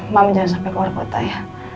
mama jangan sampai keluar kota ya